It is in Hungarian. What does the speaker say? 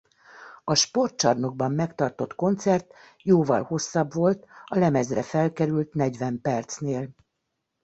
A Sportcsarnokban megtartott koncert jóval hosszabb volt a lemezre felkerült negyven percnél.